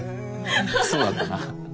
そうだったな。